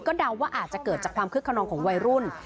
เดาว่าอาจจะเกิดจากความคึกขนองของวัยรุ่น